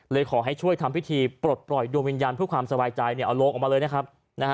ขอให้ช่วยทำพิธีปลดปล่อยดวงวิญญาณเพื่อความสบายใจเอาโลงออกมาเลยนะครับ